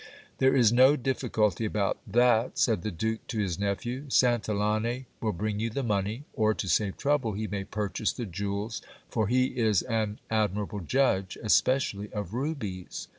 There is no difficulty about that, said the duke to his nephew. Santillane will bring you the money ; or, to save trouble, he may purchase the jewels, for he is an admirable judge, especially of rubies.